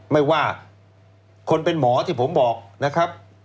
ไม่ว่าคนเป็นหมอที่ผมบอกนะครับ